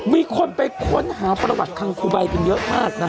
มีคนไปค้นหาประวัติทางครูใบกันเยอะมากนะ